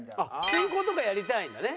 進行とかやりたいんだね。